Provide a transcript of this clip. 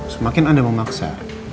semakin anda memaksa